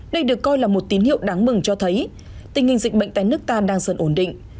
đây được coi là một tín hiệu đáng mừng cho thấy tình hình dịch bệnh tại nước ta đang dần ổn định